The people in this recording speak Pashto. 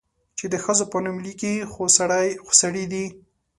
چې د ښځو په نوم ليکي، خو سړي دي؟